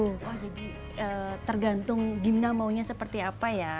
oh jadi tergantung gimna maunya seperti apa ya